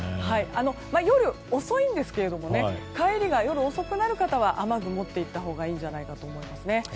夜、遅いんですけど帰りが夜遅くなる方は雨具を持って行ったほうがいいんじゃないですかね。